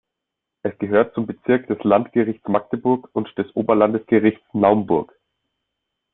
Es gehört zum Bezirk des Landgerichts Magdeburg und des Oberlandesgerichts Naumburg.